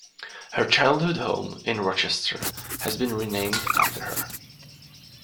Her childhood home in Rochester has been renamed after her.